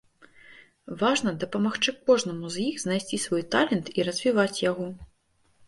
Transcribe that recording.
Важна дапамагчы кожнаму з іх знайсці свой талент і развіваць яго.